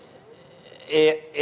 adanya dugaan pelanggaran etika